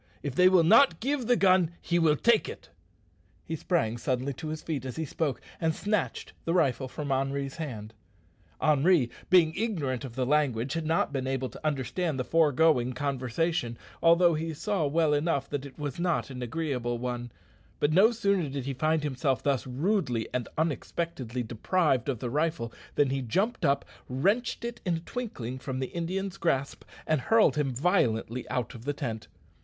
If they will not give the gun he will take it." He sprang suddenly to his feet as he spoke, and snatched the rifle from Henri's hand. Henri being ignorant of the language had not been able to understand the foregoing conversation, although he saw well enough that it was not an agreeable one; but no sooner did he find himself thus rudely and unexpectedly deprived of the rifle than he jumped up, wrenched it in a twinkling from the Indian's grasp, and hurled him violently out of the tent.